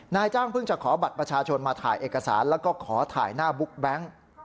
นายจ้างเพิ่งจะขอบัตรประชาชนมาถ่ายเอกสารแล้วก็ขอถ่ายหน้าบุ๊กแบงค์